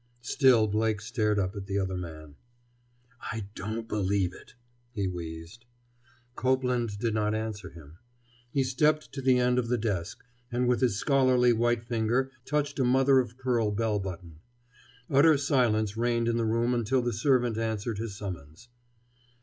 Still Blake stared up at the other man. "I don't believe it," he wheezed. Copeland did not answer him. He stepped to the end of the desk and with his scholarly white finger touched a mother of pearl bell button. Utter silence reigned in the room until the servant answered his summons.